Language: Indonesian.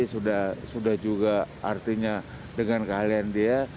sudah juga artinya dengan keahlian dia